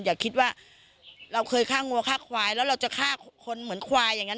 อย่าคิดว่าเราเคยฆ่าวัวฆ่าควายแล้วเราจะฆ่าคนเหมือนควายอย่างนั้น